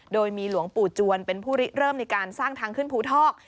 โดยมีหลวงปู่จวนเป็นผู้ริเริ่มในการสร้างทางขึ้นภูทอก